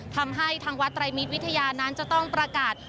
ทำให้ทางวัดไตรมิตรวิทยานั้นจะต้องประกาศ